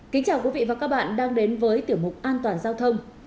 kính chào quý vị và các bạn đang đến với tiểu mục an toàn giao thông